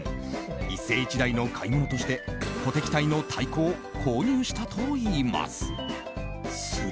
一世一代の買い物として鼓笛隊の太鼓を購入したといいます。